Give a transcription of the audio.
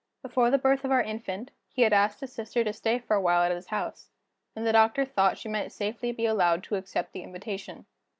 Before the birth of our infant, he had asked his sister to stay for a while at his house; and the doctor thought she might safely be allowed to accept the invitation.